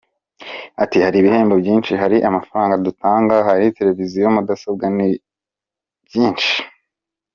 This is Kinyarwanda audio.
Ati “Hari ibihembo byinshi; hari amafaranga dutanga, hari televiziyo, mudasobwa, ni byinshi.